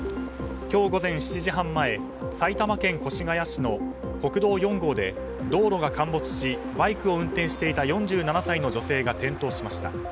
今日午前７時半前埼玉県越谷市の国道４号で道路が陥没しバイクを運転していた４７歳の女性が転倒しました。